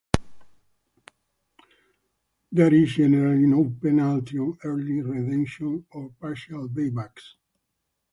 There is generally no penalty on early redemption or partial buy-backs.